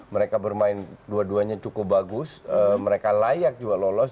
mereka bermain dua duanya cukup bagus mereka layak juga lolos